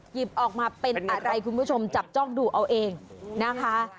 หยิบออกมาเป็นอะไรคุณผู้ชมจับจ้องดูเอาเองนะคะ